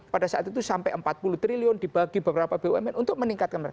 pada saat itu sampai empat puluh triliun dibagi beberapa bumn untuk meningkatkan